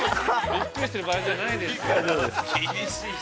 ◆びっくりしてる場合じゃないですよ。